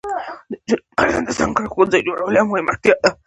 د نجونو لپاره د ځانګړو ښوونځیو جوړول یوه مهمه اړتیا ده.